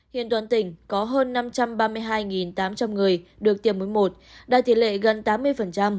hiện toàn tỉnh có hơn năm trăm ba mươi hai tám trăm linh người được tiêm mỗi một đạt tỷ lệ gần tám mươi